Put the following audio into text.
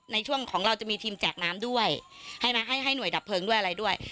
ในช่วงของเราจะมีทีมแจกน้ำด้วยให้มาให้หน่วยดับเพลิงด้วยอะไรด้วย